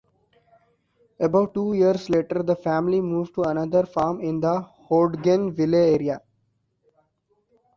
About two years later, the family moved to another farm in the Hodgenville area.